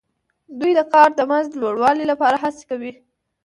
دوی د کار د مزد د لوړوالي لپاره هڅې کوي